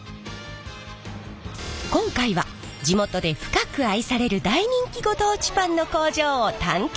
今回は地元で深く愛される大人気ご当地パンの工場を探検！